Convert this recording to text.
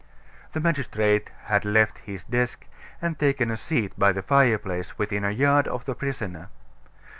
The magistrate had left his desk, and taken a seat by the fireplace within a yard of the prisoner.